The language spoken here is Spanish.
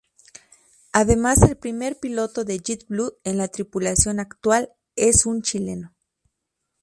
Además el primer piloto de Jet Blue en la tripulación actual es un chileno.